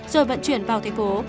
rồi vận chuyển vào thành phố